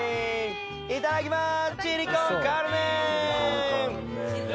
いただきます